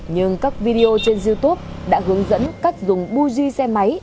nhưng các video trên youtube đã hướng dẫn cách dùng bougie xe máy